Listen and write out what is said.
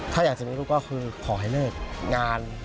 ถ้าอยากจะมีลูกก็คือขอให้เลิกงาน